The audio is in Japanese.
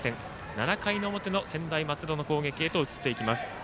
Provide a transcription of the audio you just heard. ７回の表の専大松戸の攻撃へと移っていきます。